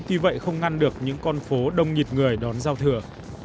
tuy vậy không ngăn được những con phố đông nhịt người đón giao thừa